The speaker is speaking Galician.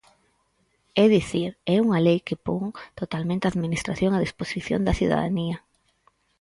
É dicir, é unha lei que pon totalmente a Administración á disposición da cidadanía.